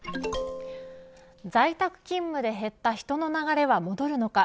在宅勤務で減った人の流れは戻るのか。